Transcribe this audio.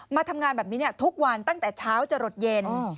มาทำงานแบบนี้ทุกวันตั้งแต่เช้าจะหลดเย็น